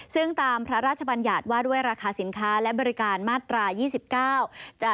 ซึ่งตามพระราชบัญญาติว่าด้วยราคาสินค้าและบริการมาตรา๒๙